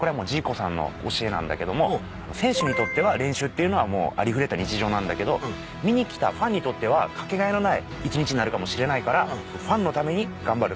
選手にとっては練習っていうのはもうありふれた日常なんだけど見に来たファンにとってはかけがえのない一日になるかもしれないからファンのために頑張る。